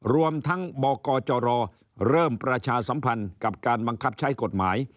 รวมทั้งบกจรเริ่มประชาสัมพันธ์กับการบังคับใช้กฎหมาย